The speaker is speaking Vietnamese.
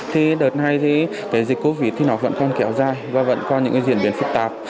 thì đợt này thì dịch covid vẫn còn kéo dài và vẫn còn những diễn biến phức tạp